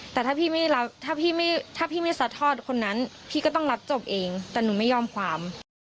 แต่ถ้าพี่ไม่ได้รับถ้าพี่ไม่ซัดทอดคนนั้นพี่ก็ต้องรับจบเองแต่หนูไม่ยอมความ